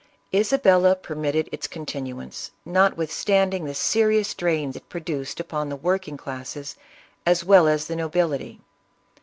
Isabella permitted its continuance, notwithstanding the serious drain it produced upon the working classes as well as the nobility.